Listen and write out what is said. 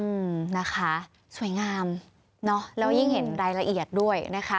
อืมนะคะสวยงามเนอะแล้วยิ่งเห็นรายละเอียดด้วยนะคะ